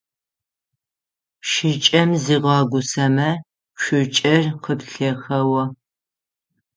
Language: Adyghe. Шыкӏэм зигъэгусэмэ цукӏэр къыплъэхэо.